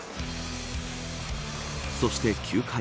そして、９回。